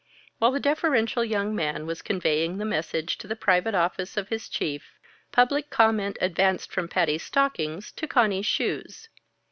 While the deferential young man was conveying the message to the private office of his chief, public comment advanced from Patty's stockings to Conny's shoes.